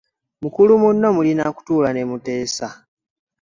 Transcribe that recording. Mukulu munno mulina kutuula ne muteesa.